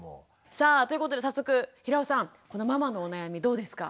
さあということで早速平尾さんこのママのお悩みどうですか？